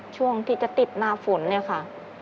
ช่วงที่จะติดหน้าฝนเนี่ยค่ะ